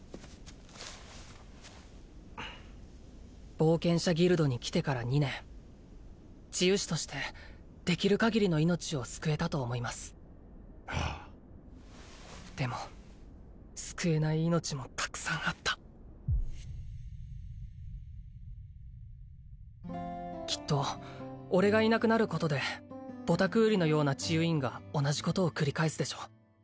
冒険者ギルドに来てから２年治癒士としてできる限りの命を救えたと思いますああでも救えない命もたくさんあったきっと俺がいなくなることでボタクーリのような治癒院が同じことを繰り返すでしょう